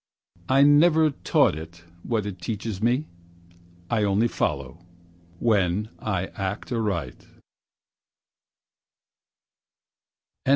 I never taught it what it teaches me; I only follow, when I act aright.